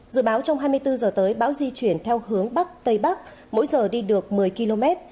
dự báo trong hai mươi bốn h tới bão di chuyển theo hướng bắc tây bắc mỗi giờ đi được một mươi km